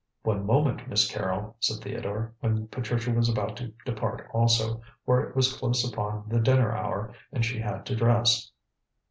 "One moment, Miss Carrol," said Theodore, when Patricia was about to depart also, for it was close upon the dinner hour and she had to dress.